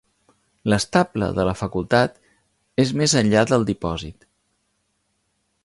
L'estable de la facultat és més enllà del dipòsit.